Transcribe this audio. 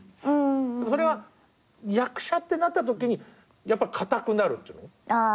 でもそれが役者ってなったときにやっぱり硬くなるっていうの。